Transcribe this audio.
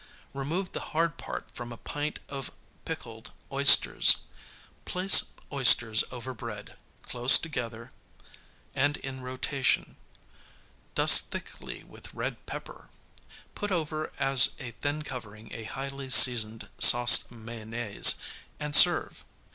Remove the hard part from a pint of pickled oysters, place oysters over bread, close together and in rotation, dust thickly with red pepper; put over as a thin covering a highly seasoned sauce mayonnaise, and serve.